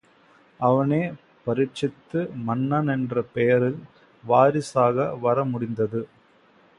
அவனே பரீட்சித்து மன்னன் என்ற பெயரில் வாரிசாக வரமுடிந்தது.